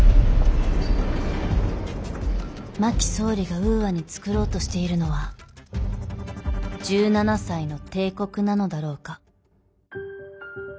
真木総理がウーアに創ろうとしているのは１７才の帝国なのだろうか。